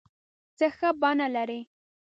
څه ښه بڼه لرې